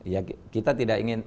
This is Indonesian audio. ya kita tidak ingin